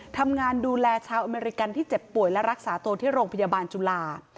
ทำงานดูแลชาวอเมริกันที่เจ็บป่วยและรักษาตัวที่โรงพยาบาลจุฬา